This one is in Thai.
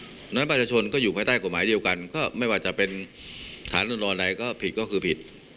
เพราะฉะนั้นประชาชนก็อยู่ภายใต้กฎหมายเดียวกันก็ไม่ว่าจะเป็นฐานอุดรอะไรก็ผิดก็คือผิด